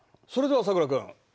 それではさくら君。